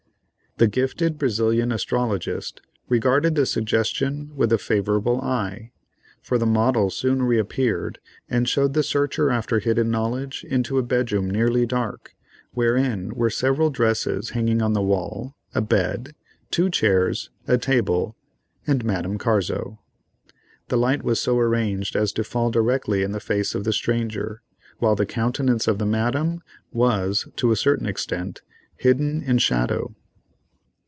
The "gifted Brazilian astrologist" regarded the suggestion with a favorable eye, for the model soon reappeared and showed the searcher after hidden knowledge into a bedroom nearly dark, wherein were several dresses hanging on the wall, a bed, two chairs, a table, and Madame Carzo. The light was so arranged as to fall directly in the face of the stranger, while the countenance of the Madame was, to a certain extent, hidden in shadow.